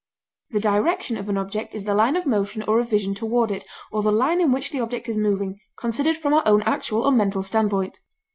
The direction of an object is the line of motion or of vision toward it, or the line in which the object is moving, considered from our own actual or mental standpoint.